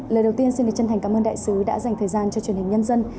lời đầu tiên xin được chân thành cảm ơn đại sứ đã dành thời gian cho truyền hình nhân dân